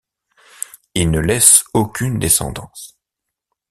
Il ne laisse aucune descendance..